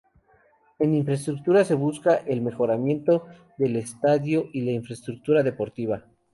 En infraestructura, se busca el mejoramiento del estadio y la infraestructura deportiva.